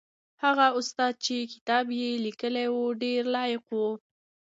هغه استاد چې کتاب یې لیکلی و ډېر لایق و.